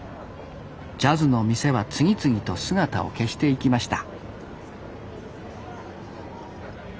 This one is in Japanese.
ジャズの店は次々と姿を消していきました